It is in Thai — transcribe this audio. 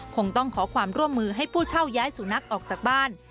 คงต้องขอความร่วมมือให้ผู้เช่าย้ายสุนัขออกจากบ้าน